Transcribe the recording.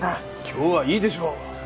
今日はいいでしょう。